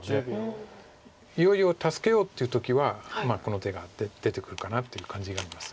いよいよ助けようっていう時はこの手が出てくるかなという感じがあります。